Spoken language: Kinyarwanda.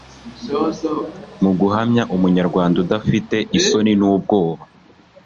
mu guhamya Umunyarwanda udafite isoni n'ubwoba